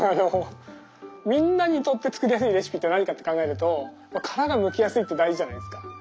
みんなにとって作りやすいレシピって何かって考えると殻がむきやすいって大事じゃないですか。